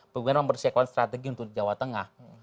pemimpinan bersiapkan strategi untuk jawa tengah